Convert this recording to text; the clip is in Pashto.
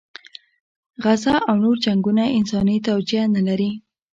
غزه او نور جنګونه انساني توجیه نه لري.